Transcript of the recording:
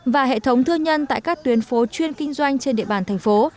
và hệ thống thư nhân tại các tuyến phố chuyên kinh doanh trên địa bàn thành phố